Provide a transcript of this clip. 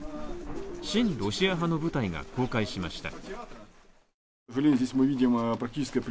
親ロシア派の部隊が公開しました。